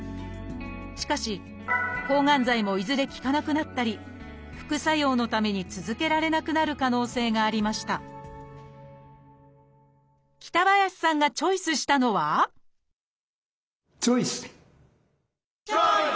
しかし抗がん剤もいずれ効かなくなったり副作用のために続けられなくなる可能性がありました北林さんがチョイスしたのはチョイス！